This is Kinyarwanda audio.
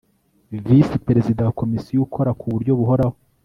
Visi Perezida wa Komisiyo ukora ku buryo buhoraho